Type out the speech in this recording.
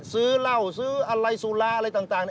ซื้อเหล้าซื้ออะไรสุราอะไรต่าง